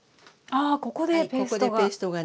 ああここでペーストが。